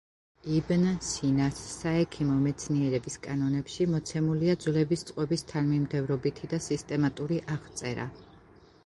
იბნ სინას „საექიმო მეცნიერების კანონებში“ მოცემულია ძვლების წყობის თანმიმდევრობითი და სისტემატური აღწერა.